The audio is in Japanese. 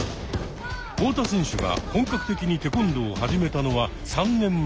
太田選手が本格的にテコンドーを始めたのは３年前。